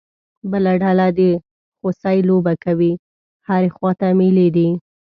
بله ډله د خوسی لوبه کوي، هرې خوا ته مېلې دي.